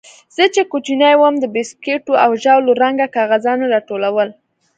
زه چې کوچنى وم د بيسکوټو او ژاولو رنګه کاغذان مې راټولول.